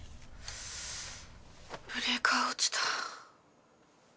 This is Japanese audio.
ブレーカー落ちた。